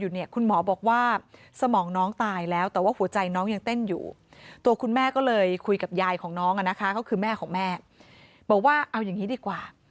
เหลือคนอื่นดีกว่า